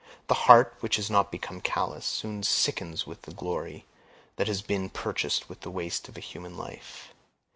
The heart which has not become callous, soon sickens with the glory that has been purchased with a waste of human life.